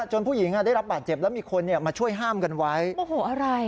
จนผู้หญิงได้รับบาดเจ็บแล้วมีคนมาช่วยห้ามกันไว้